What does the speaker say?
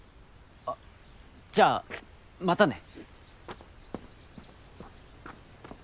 あっじゃあまたね。